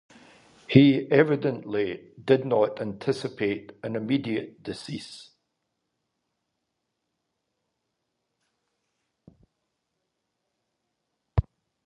He evidently did not anticipate an immediate decease.